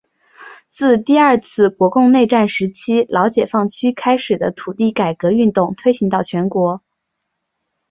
自第二次国共内战时期老解放区开始的土地改革运动推行到全国。